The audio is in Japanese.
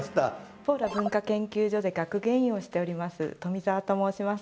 ポーラ文化研究所で学芸員をしております富澤と申します。